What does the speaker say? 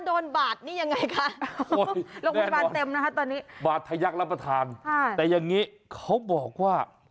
โรคบริการเต็มนะครับตอนนี้แน่นอนบาทยักษ์รับประทานแต่อย่างนี้เขาบอกว่า